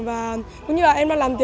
và cũng như là em đã làm